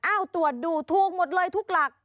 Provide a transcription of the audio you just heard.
ตรวจดูถูกหมดเลยทุกหลัก